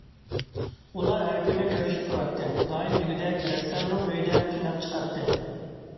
ئۇلار ھەر كۈنى كۆرۈشۈپ تۇراتتى، دائىم دېگۈدەك رەسسامنىڭ ئۆيىدە تۈنەپ چىقاتتى.